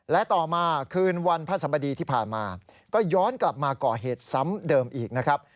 และต่อมาคืนวันพระสัมบดีที่ผ่านมาก็ย้อนกลับมาก่อเหตุซ้ำเดิมอีกนะครับ